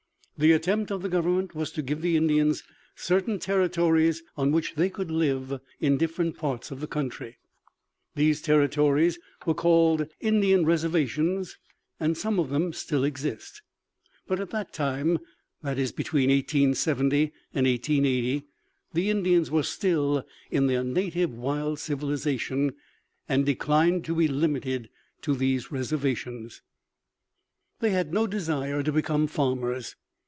The attempt of the government was to give the Indians certain territories on which they could live in different parts of that country. These territories were called Indian reservations, and some of them still exist; but at that time that is, between 1870 and 1880 the Indians were still in their native wild civilization, and declined to be limited to these reservations. They had no desire to become farmers.